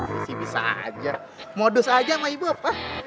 sisi bisa aja modus aja mah ibok